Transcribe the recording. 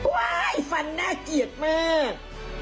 ว้ายฟันหน้าเกียจมาก